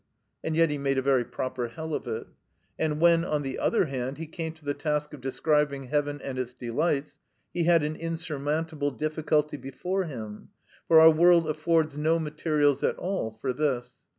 And yet he made a very proper hell of it. And when, on the other hand, he came to the task of describing heaven and its delights, he had an insurmountable difficulty before him, for our world affords no materials at all for this.